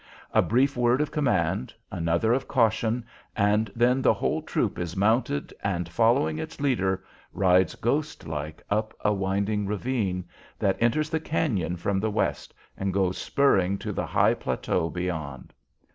A brief word of command, another of caution, and then the whole troop is mounted and, following its leader, rides ghost like up a winding ravine that enters the cañon from the west and goes spurring to the high plateau beyond.